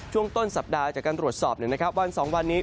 ช่วงต้นสัปดาห์จากการตรวจสอบวัน๒วันนี้